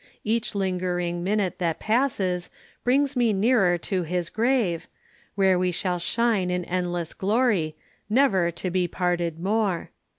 Each lingering minute that passes Brings me nearer to his grave, Where we shall shine in endless glory, Never to be parted more.